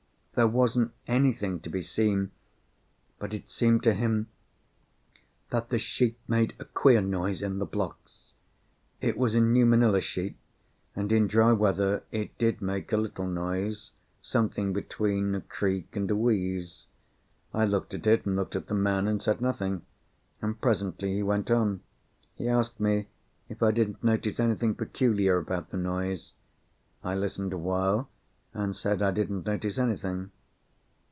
There wasn't anything to be seen, but it seemed to him that the sheet made a queer noise in the blocks. It was a new manilla sheet; and in dry weather it did make a little noise, something between a creak and a wheeze. I looked at it and looked at the man, and said nothing; and presently he went on. He asked me if I didn't notice anything peculiar about the noise. I listened awhile, and said I didn't notice anything.